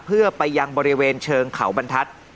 เพื่อไปยังบริเวณเชิงเขาบรรทัศน์